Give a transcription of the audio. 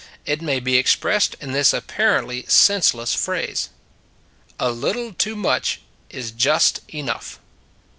It may be expressed in this apparently senseless phrase: A little too much is just enough.